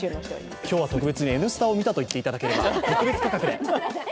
今日は特別に「Ｎスタ」を見たと言っていただければ、特別価格で。